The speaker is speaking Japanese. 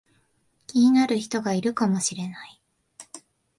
気になる人がいるかもしれない